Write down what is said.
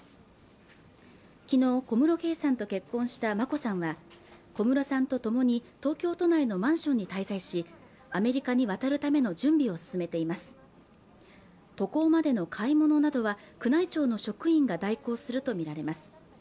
昨日小室圭さんと結婚した眞子さんは小室さんとともに東京都内のマンションに滞在しアメリカに渡るための準備を進めています渡航までの買い物などは宮内庁の職員が代行すると見られます